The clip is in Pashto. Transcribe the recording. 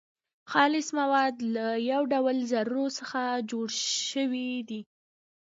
خالص مواد له يو ډول ذرو څخه جوړ سوي دي .